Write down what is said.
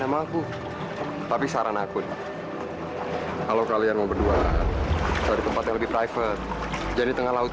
sama aku tapi saran aku kalau kalian mau berdua cari tempat yang lebih private jadi tengah laut